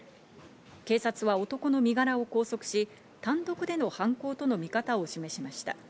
警察は男の身柄を拘束し、単独での犯行との見方を示しました。